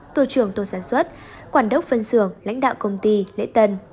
tổ trưởng tổ sản xuất quản đốc phân xưởng lãnh đạo công ty lễ tân